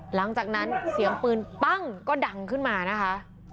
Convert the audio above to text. หลังจากนั้นเสียงปืนปั้งก็ดังขึ้นมานะคะ